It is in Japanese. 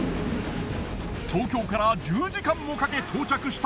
東京から１０時間もかけ到着した